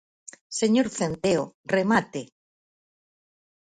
Señor Centeo, remate.